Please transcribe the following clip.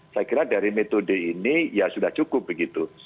saya kira dari metode ini ya sudah cukup begitu